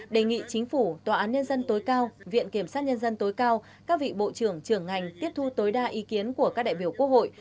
đề nghị chính phủ tòa án nhân dân tối cao viện kiểm sát nhân dân tối cao các vị bộ trưởng trưởng ngành tiếp thu tối đa ý kiến của các đại biểu quốc hội